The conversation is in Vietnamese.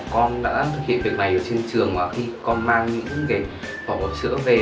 con đã thực hiện việc này ở trên trường và khi con mang những cái phỏ bột sữa về